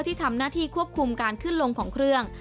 ที่ทำหน้าที่ควบคุมการขึ้นลงของเครื่อง